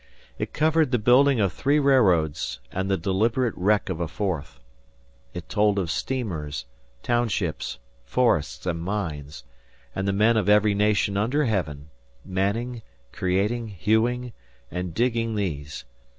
It covered the building of three railroads and the deliberate wreck of a fourth. It told of steamers, townships, forests, and mines, and the men of every nation under heaven, manning, creating, hewing, and digging these.